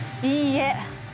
いいえ。